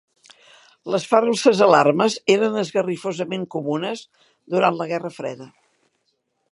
Les falses alarmes eren esgarrifosament comunes durant la Guerra Freda.